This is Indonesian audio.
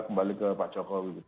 kembali ke pak jokowi